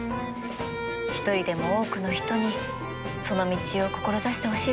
一人でも多くの人にその道を志してほしいですね。